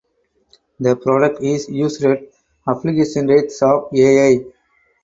The product is used at application rates of ai.